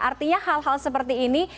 artinya hal hal seperti ini